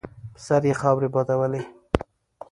په سر یې خاورې بادولې.